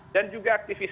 dan juga aktivitas